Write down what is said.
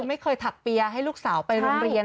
ไม่เคยถักเปียร์ให้ลูกสาวไปโรงเรียน